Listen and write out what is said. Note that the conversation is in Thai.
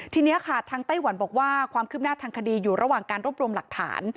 ทีนี้ค่ะทางไต้หวันบอกว่าความคืบหน้าทางคดีอยู่ระหว่างการรวบรวมหลักฐาน